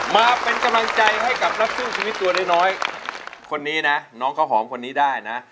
มาเป็นกำลังใจให้กับนักสู้ชีวิตตัวน้อยคนนี้นะน้องข้าวหอมคนนี้ได้นะ